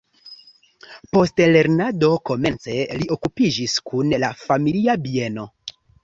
Post lernado komence li okupiĝis kun la familia bieno.